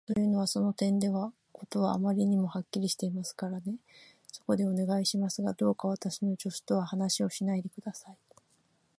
というのは、その点では事はあまりにはっきりしていますからね。そこで、お願いしますが、どうか私の助手とは話をしないで下さい。